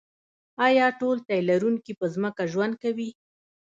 ایا ټول تی لرونکي په ځمکه ژوند کوي